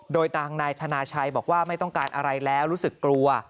โดยทางนายธนาชัยบอกว่าไม่ต้องการอะไรแล้วรู้สึกกลัว